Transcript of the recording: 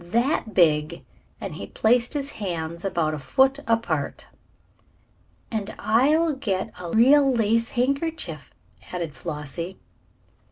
"That big!" and he placed his hands about a foot apart. "And I'll get a real lace handkerchief," added Flossie.